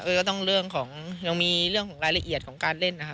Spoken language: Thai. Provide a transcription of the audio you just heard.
ก็ต้องเรื่องของยังมีเรื่องของรายละเอียดของการเล่นนะครับ